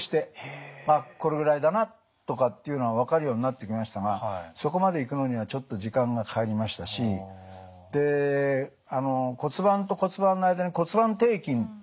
あっこのぐらいだなとかっていうのが分かるようになってきましたがそこまでいくのにはちょっと時間がかかりましたしで骨盤と骨盤の間に骨盤底筋っていうのがあってね